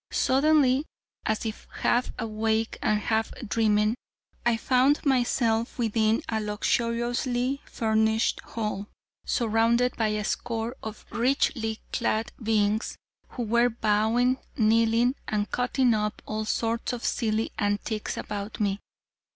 Suddenly, as if half awake and half dreaming, I found myself within a luxuriously furnished hall, surrounded by a score of richly clad beings, who were bowing, kneeling, and cutting up all sorts of silly antics about me.